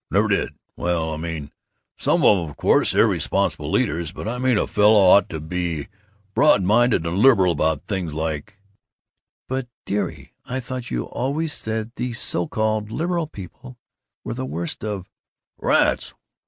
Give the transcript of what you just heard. "I never did! Well, I mean Some of 'em, of course. Irresponsible leaders. But I mean a fellow ought to be broad minded and liberal about things like " "But dearie, I thought you always said these so called 'liberal' people were the worst of " "Rats!